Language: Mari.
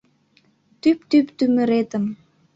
Тӱп-тӱп тӱмыретым